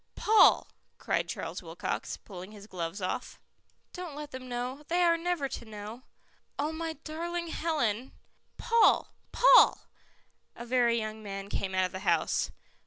"Paul," cried Charles Wilcox, pulling his gloves off. "Don't let them know. They are never to know." "Oh, my darling Helen " "Paul! Paul!" A very young man came out of the house.